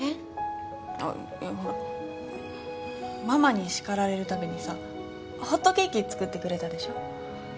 ママに叱られるたびにさホットケーキ作ってくれたでしょ？